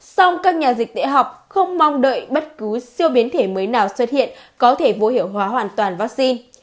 sau các nhà dịch tệ học không mong đợi bất cứ siêu biến thể mới nào xuất hiện có thể vô hiểu hóa hoàn toàn vaccine